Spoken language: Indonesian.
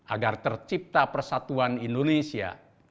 agar tercipta persatuan indonesia